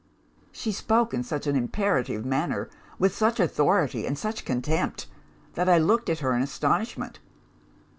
"She spoke in such an imperative manner with such authority and such contempt that I looked at her in astonishment.